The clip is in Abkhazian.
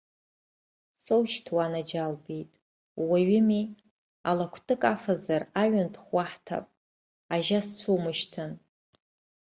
Соушьҭ уанаџьалбеит, ууаҩыми, ала кәтык афазар, аҩынтәхә уаҳҭап, ажьа сцәумышьҭын.